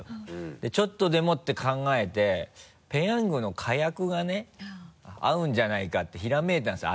でちょっとでもって考えてペヤングのかやくがね合うんじゃないかってひらめいたんですよ